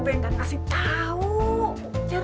presiden segera budi uang